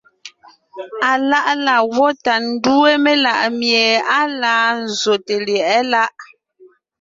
Aláʼ laa gwó tà ńdúe melaʼmie à laa nzsòte lyɛ̌ʼɛ láʼ.